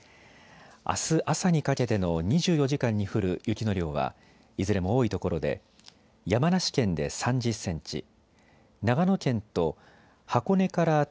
あす朝にかけての２４時間に降る雪の量はいずれも多いところで山梨県で３０センチ、長野県と箱根から